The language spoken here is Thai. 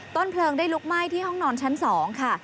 เพลิงได้ลุกไหม้ที่ห้องนอนชั้น๒ค่ะ